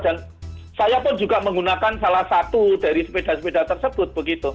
dan saya pun juga menggunakan salah satu dari sepeda sepeda tersebut